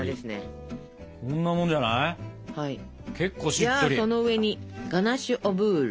じゃあその上にガナッシュ・オ・ブール。